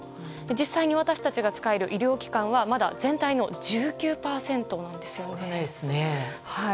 実際に私たちが使える医療機関はまだ全体の１９％なんですよね。